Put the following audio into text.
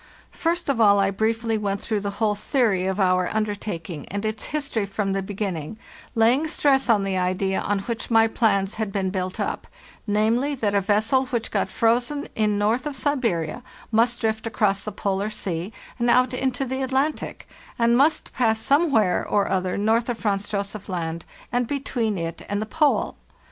First of all, I briefly went through the whole theory of our under taking, and its history from the beginning, laying stress on the idea on which my plans had been built up—namely, that a vessel which got frozen in north of Siberia must drift across the Polar Sea and out into the Atlantic, and must pass somewhere or other north of Franz Josef Land and between it and the Pole.